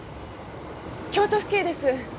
京都府警です。